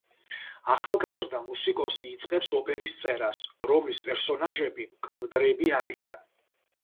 ახალგაზრდა მუსიკოსი იწყებს ოპერის წერას, რომლის პერსონაჟები მკვდრები არიან.